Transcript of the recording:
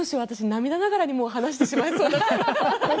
涙ながらに話してしまいそうだから。